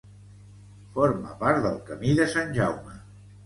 Forma part del Camí de Sant Jaume.